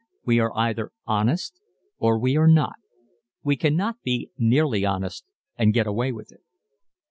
We are either honest or we are not. We cannot be nearly honest and get away with it.